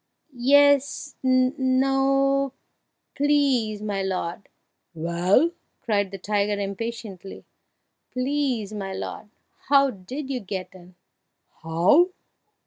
"Yes no Please, my lord " "Well?" cried the tiger impatiently. "Please, my lord! how did you get in?" "How!